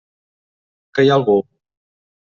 Que hi ha algú?